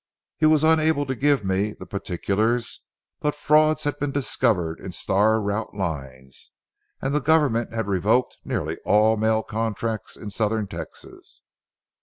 He was unable to give me the particulars, but frauds had been discovered in Star Route lines, and the government had revoked nearly all the mail contracts in southern Texas.